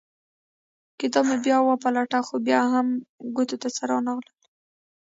کتاب مې بیا وپلټه خو بیا مې هم ګوتو ته څه رانه غلل.